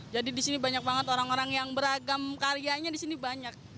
jadi di sini banyak banget orang orang yang beragam karyanya di sini banyak